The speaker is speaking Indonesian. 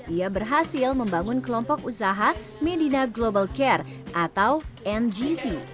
ia berhasil membangun kelompok usaha medina global care atau mgc